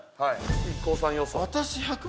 ＩＫＫＯさん予想。